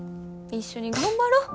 一緒に頑張ろ。